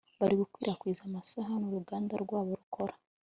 bari gukwirakwiza amasahani uruganda rwabo rukora